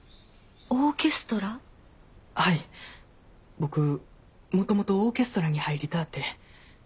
僕もともとオーケストラに入りたぁて。